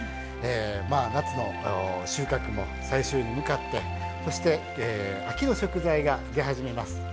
まあ夏の収穫も最終に向かってそして秋の食材が出始めます。